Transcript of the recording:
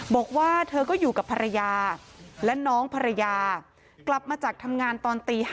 บอกว่าเธอก็อยู่กับภรรยาและน้องภรรยากลับมาจากทำงานตอนตี๕